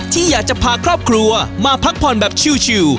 ที่อยากจะพาครอบครัวมาพักผ่อนแบบชิล